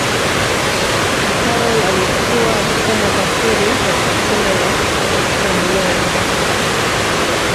karol alikuwa akisoma kwa siri katika shule ya seminari